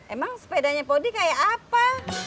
emang sepedanya pak odi kayak apa